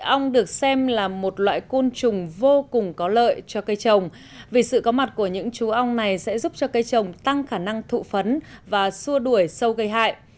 ong được xem là một loại côn trùng vô cùng có lợi cho cây trồng vì sự có mặt của những chú ong này sẽ giúp cho cây trồng tăng khả năng thụ phấn và xua đuổi sâu gây hại